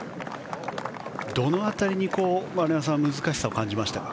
どの辺りに難しさを感じましたか？